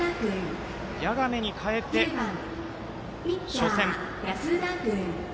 谷亀に代えて、初戦。